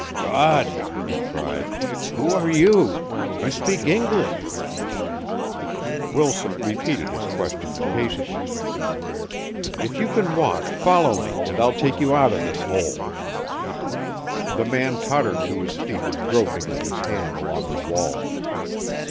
"God," he cried. "Who are you? You speak English!" Wilson repeated his question impatiently. "If you can walk, follow me and I'll take you out of this hole." The man tottered to his feet, groping with his hand along the wall.